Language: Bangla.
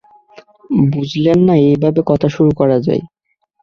বুঝলেন না, এইভাবে কথা শুরু করা যায়।